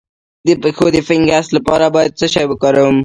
د پښو د فنګس لپاره باید څه شی وکاروم؟